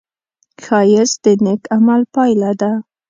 ښایست د نېک عمل پایله ده